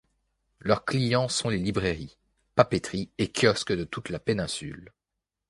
Leurs clients sont les librairies, papeteries et kiosques de toute la Péninsule.